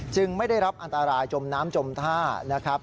ไม่ได้รับอันตรายจมน้ำจมท่านะครับ